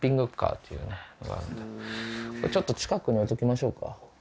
ちょっと近くに置いときましょうか。